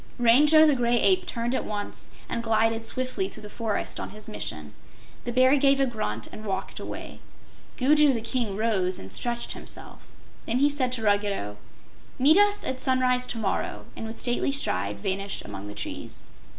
Rango the Gray Ape turned at once and glided swiftly through the forest on his mission. The Bear gave a grunt and walked away. Gugu the King rose and stretched himself. Then he said to Ruggedo: "Meet us at sunrise to morrow," and with stately stride vanished among the trees.